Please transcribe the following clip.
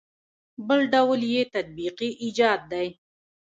بل ډول یې تطبیقي ایجاد دی.